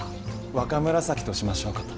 若紫としましょうかと。